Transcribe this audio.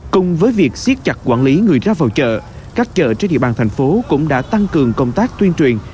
cùng với việc siết chặt quản lý người ra vào chợ các chợ trên địa bàn thành phố cũng đã tăng cường công tác tuyên truyền